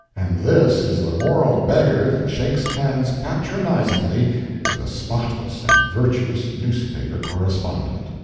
And this is the moral beggar that shakes hands patronizingly with a spotless and virtuous newspaper correspondent.